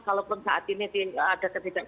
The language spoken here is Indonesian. kalaupun saat ini ada ketidak